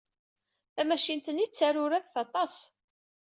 Tamacint-nni d taruradt aṭas.